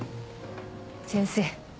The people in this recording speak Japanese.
先生。